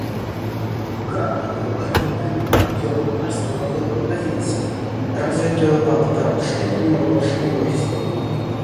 Храм набыў арыгінальную аб'ёмна-прасторавую кампазіцыю, развітую па папярочнай планіровачнай восі.